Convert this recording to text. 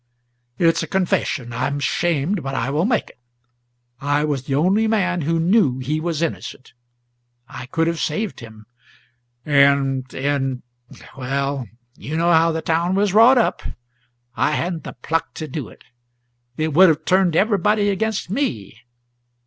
"It is a confession. I am ashamed, but I will make it. I was the only man who knew he was innocent. I could have saved him, and and well, you know how the town was wrought up I hadn't the pluck to do it. It would have turned everybody against me.